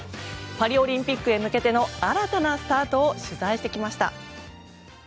パリオリンピックへ向けての新たなスタートを取材してきました。